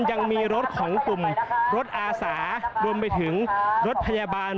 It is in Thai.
ยังมีรถของกลุ่มรถอาสารวมไปถึงรถพยาบาล